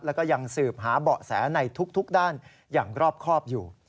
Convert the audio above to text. แล้วก็ยังสืบหาเบาะแสในทุกด้านอย่างรอบครอบอยู่